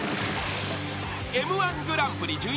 ［Ｍ−１グランプリ準優勝］